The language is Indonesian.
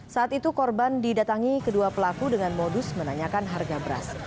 saat itu korban didatangi kedua pelaku dengan modus menanyakan harga beras